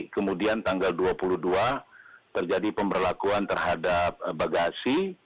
kemudian tanggal dua puluh dua terjadi pemberlakuan terhadap bagasi